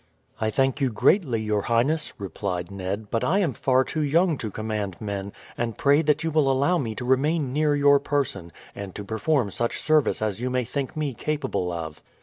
"I thank you greatly, your highness," replied Ned; "but I am far too young to command men, and pray that you will allow me to remain near your person, and to perform such service as you may think me capable of."